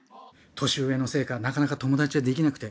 年上のせいかなかなか友達はできなくて。